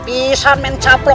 tidak ada apa apa